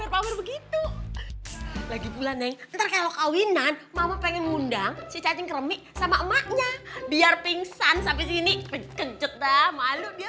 pengen ngundang cacing kremi sama emaknya biar pingsan sampai sini kejut kejut dah malu dia